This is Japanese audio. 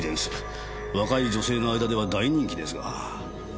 若い女性の間では大人気ですが。